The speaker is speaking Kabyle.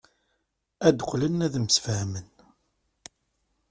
Ad qqlen ad msefhamen.